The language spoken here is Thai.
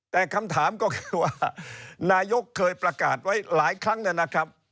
แต่คำถามก็คือว่านายกเคยประกาศไว้หลายครั้งนะครับ